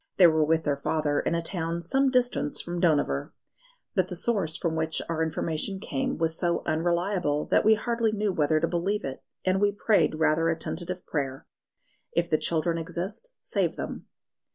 They were with their father in a town some distance from Dohnavur; but the source from which our information came was so unreliable that we hardly knew whether to believe it, and we prayed rather a tentative prayer: "If the children exist, save them."